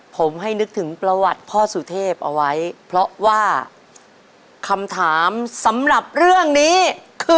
ผมให้นึกถึงประวัติพ่อสุเทพเอาไว้เพราะว่าคำถามสำหรับเรื่องนี้คือ